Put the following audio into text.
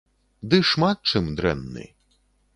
Ды шмат чым дрэнны.